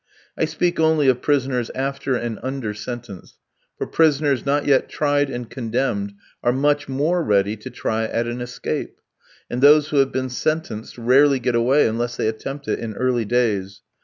I speak only of prisoners after and under sentence, for prisoners not yet tried and condemned, are much more ready to try at an escape. And those who have been sentenced, rarely get away unless they attempt it in early days.